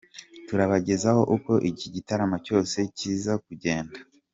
Turabagezaho uko iki gitaramo cyose kiza kugenda.